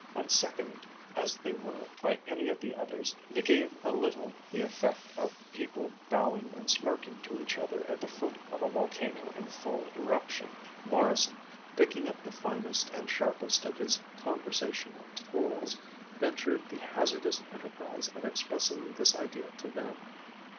Unseconded as they were by any of the others, they gave a little the effect of people bowing and smirking to each other at the foot of a volcano in full eruption. Morrison, picking up the finest and sharpest of his conversational tools, ventured the hazardous enterprise of expressing this idea to them.